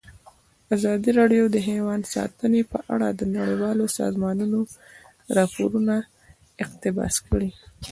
ازادي راډیو د حیوان ساتنه په اړه د نړیوالو سازمانونو راپورونه اقتباس کړي.